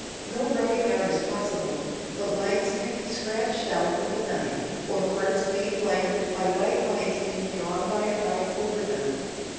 No rubbing out is possible, but lines can be scratched out with a knife, or parts made lighter by white lines being drawn by a knife over them.